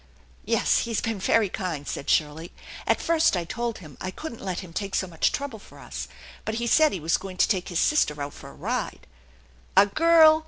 " Yes, he's been very kind," said Shirley. "At first I told him I couldn't let him take so much trouble for us, but he said he was going to take his sister out for a ride " "A girl